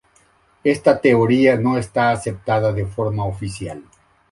Esta teoría no está aceptada de forma oficial.